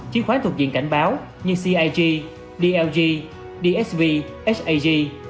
chiến khoán thuộc diện cảnh báo như cig dlg dsv sag